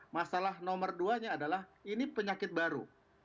masalah nomor duanya adalah ini penyakit baru